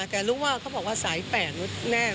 แต่รู้ว่าเขาบอกว่าสาย๘รถแน่